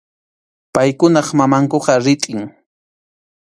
Paykunap mamankuqa ritʼim.